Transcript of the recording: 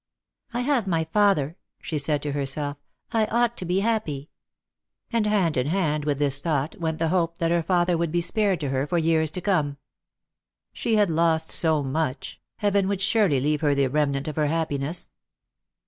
" I have my father," she said to herself; " I ought to be happy." And hand in hand with this thought went the hope that her father would be spared to her for years to come. She Had lost so much, Heaven would surely leave her the remnant of her happiness.